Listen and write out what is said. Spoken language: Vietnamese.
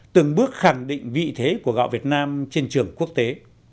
từng bước khẳng định vị thế của gạo việt nam trên trường quốc tế